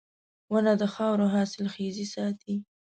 • ونه د خاورو حاصلخېزي ساتي.